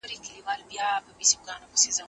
د پسرلیو له سبا به ترانې وي وني